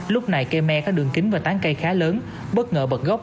lúc này cây me có đường kính và tán cây khá lớn bất ngờ bật gốc